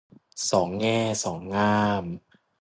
สองแง่สองง่าม